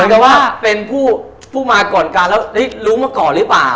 กับว่าเป็นผู้มาก่อนการแล้วรู้มาก่อนหรือเปล่า